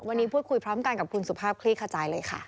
วันนี้พูดคุยพร้อมกันกับคุณสุภาพคลี่ขจายเลยค่ะ